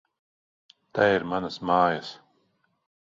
Te ir manas mājas!